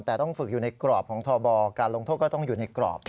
แต่ต้องฝึกอยู่ในกรอบของทบการลงโทษก็ต้องอยู่ในกรอบ